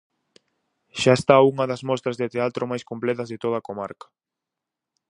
Xa está unha das mostras de teatro máis completas de toda a comarca.